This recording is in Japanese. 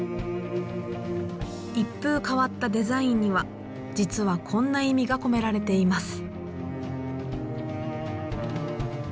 一風変わったデザインには実はこんな意味が込められています。